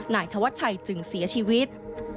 นายธวัชชัยจึงเสียชีวิต